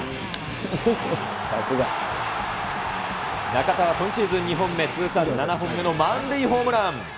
中田は今シーズン２本目、通算７本目の満塁ホームラン。